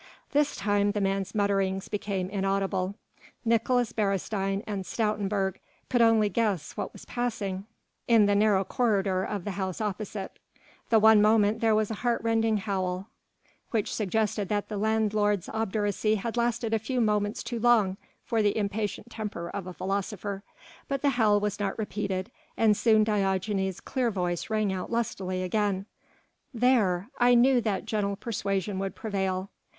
This time the man's mutterings became inaudible. Nicolaes Beresteyn and Stoutenburg could only guess what was passing in the narrow corridor of the house opposite. The one moment there was a heart rending howl, which suggested that the landlord's obduracy had lasted a few moments too long for the impatient temper of a philosopher; but the howl was not repeated and soon Diogenes' clear voice rang out lustily again: "There! I knew that gentle persuasion would prevail.